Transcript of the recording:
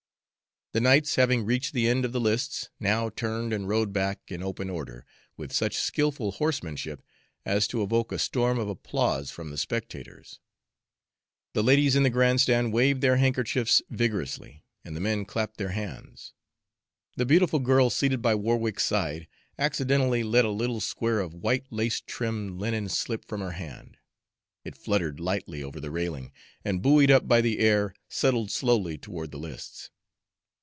The knights, having reached the end of the lists, now turned and rode back in open order, with such skillful horsemanship as to evoke a storm of applause from the spectators. The ladies in the grand stand waved their handkerchiefs vigorously, and the men clapped their hands. The beautiful girl seated by Warwick's side accidentally let a little square of white lace trimmed linen slip from her hand. It fluttered lightly over the railing, and, buoyed up by the air, settled slowly toward the lists.